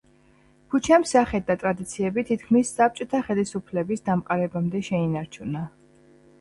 ქუჩამ სახე და ტრადიციები თითქმის საბჭოთა ხელისუფლების დამყარებამდე შეინარჩუნა.